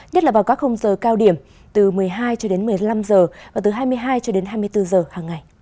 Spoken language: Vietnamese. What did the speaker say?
nhất là vào các hôm giờ cao điểm từ một mươi hai h một mươi năm h và từ hai mươi hai h hai mươi bốn h hàng ngày